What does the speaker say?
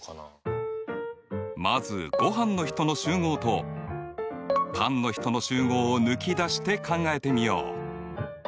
まずごはんの人の集合とパンの人の集合を抜き出して考えてみよう。